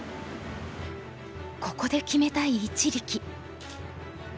ここで決めたい一力。